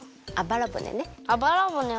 あばらぼねね。